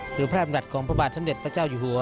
หรือพ่อบาทสำเด็จพระเจ้าหญิวหัว